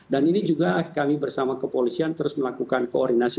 dan ini juga kami bersama kepolisian terus melakukan koordinasi